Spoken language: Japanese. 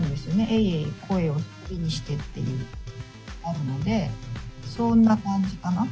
「えいえい声を忍びにして」っていうあるのでそんな感じかな。